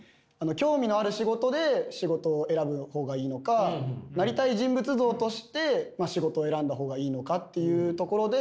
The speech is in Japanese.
興味のある仕事で仕事を選ぶほうがいいのかなりたい人物像として仕事を選んだほうがいいのかっていうところで。